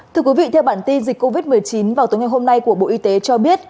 thưa quý vị theo bản tin dịch covid một mươi chín vào tối ngày hôm nay của bộ y tế cho biết